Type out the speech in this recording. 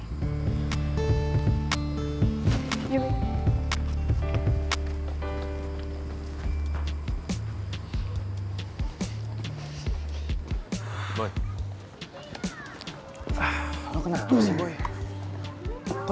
setelah kita šut adrian quarto